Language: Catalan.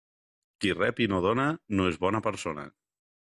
Qui rep i no dóna no és bona persona.